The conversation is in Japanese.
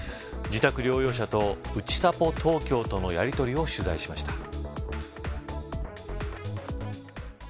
自宅療養者とうちさぽ東京とのやりとりを取材しました。